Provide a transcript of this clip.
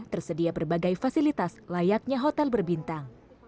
tersedia berbagai fasilitas layaknya hotel berbintang